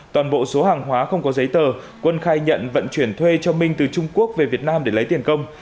toàn bộ số hàng hóa không có giấy tờ quân khai nhận vận chuyển thuê cho minh từ trung quốc về việt nam để lấy tiền công